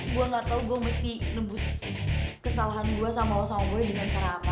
gue gak tau gue mesti nembus kesalahan gue sama lo sama boy dengan cara apa